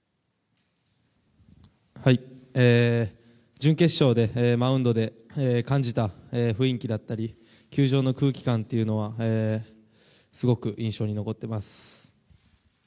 準決勝でマウンドで感じた雰囲気だったり球場の空気感というのはすごく印象に残ってます。